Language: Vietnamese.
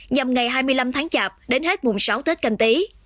nhằm ngày hai mươi năm tháng chạp đến hết mùng sáu tết canh tí